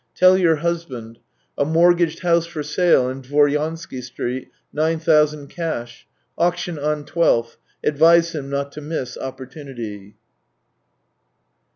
Tell your husband: a mortgaged house or sale in Dvoryansky Street, nine thousand cash. Auction on twelfth. Advise him not miss opportunity."